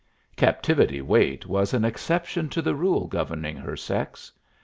Captivity Waite was an exception to the rule governing her sex.